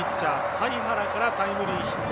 財原からタイムリーヒット。